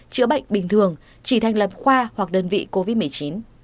chữa bệnh bình thường chỉ thành lập khoa hoặc đơn vị covid một mươi chín